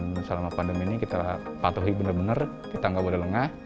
selama pandemi ini kita patuhi benar benar kita nggak boleh lengah